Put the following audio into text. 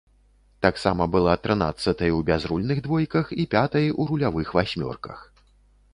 Таксама была трынаццатай у бязрульных двойках і пятай у рулявых васьмёрках.